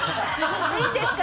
いいんですか？